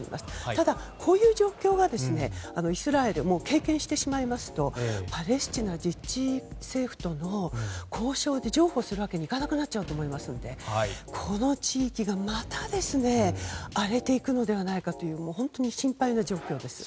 ただ、こういう状況はイスラエル経験してしまいますとパレスチナ自治政府との交渉で譲歩するわけにはいかなくなると思いますのでこの地域が、また荒れていくのではないかという本当に心配な状況です。